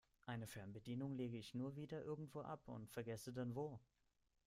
Eine Fernbedienung lege ich nur wieder irgendwo ab und vergesse dann wo.